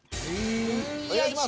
お願いします。